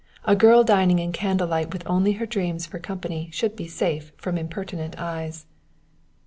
A girl dining in candle light with only her dreams for company should be safe from impertinent eyes.